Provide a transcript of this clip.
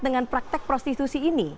dengan praktek prostitusi ini